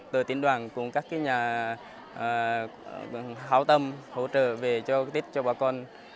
từ tỉnh đoàn cùng các nhà hảo tâm hỗ trợ về cho tết cho bà con